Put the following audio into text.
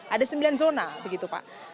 ada sembilan zona begitu pak